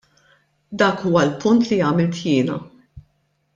Dak huwa l-punt li għamilt jiena.